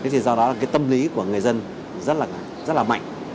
thì do đó tâm lý của người dân rất là mạnh